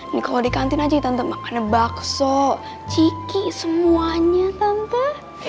ini kalau di kantin aja tanpa makanan bakso ciki semuanya tante